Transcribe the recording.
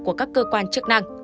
của các cơ quan chức năng